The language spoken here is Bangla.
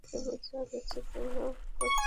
অতঃপর আমি তোমাদেরকে বলে দেব যা কিছু তোমরা করতে।